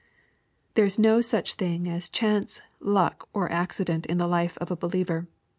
There is no such thing as chance, luck, or accident, in the life of a believer.